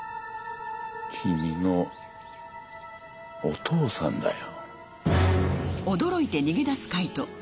君のお父さんだよ。